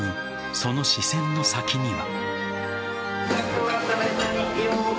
その視線の先には。